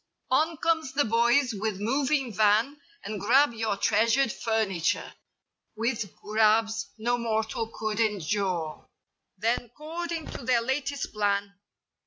On comes the boys with moving van And grab your treasured furniture. With grabs no mortal could endure. Then, 'cording to their latest plan.